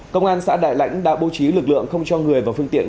công an xã đại lãnh đã bố trí lực lượng không cho người và phương tiện